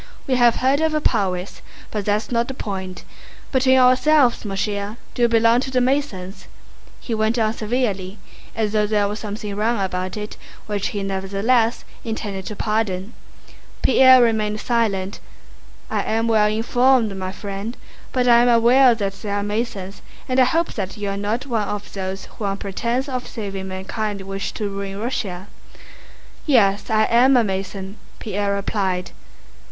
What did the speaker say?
"We have heard of your prowess. But that's not the point. Between ourselves, mon cher, do you belong to the Masons?" he went on severely, as though there were something wrong about it which he nevertheless intended to pardon. Pierre remained silent. "I am well informed, my friend, but I am aware that there are Masons and I hope that you are not one of those who on pretense of saving mankind wish to ruin Russia." "Yes, I am a Mason," Pierre replied.